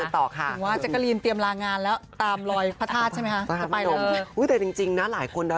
บอกพี่มดดำค่ะ